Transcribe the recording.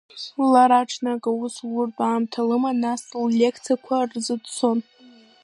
Лара, ҽнак аус луртә аамҭа лыман, нас ллекциақәа рзы дцон.